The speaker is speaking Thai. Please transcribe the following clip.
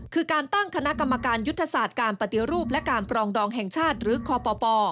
คือการตั้งคณะกรรมการยุทธศาสตร์การปฏิรูปและการปรองดองแห่งชาติหรือคป